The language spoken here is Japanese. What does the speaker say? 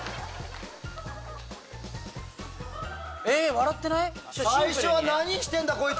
笑ってない⁉